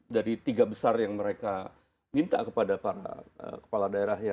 dari tiga besar yang mereka minta kepada para kepala daerahnya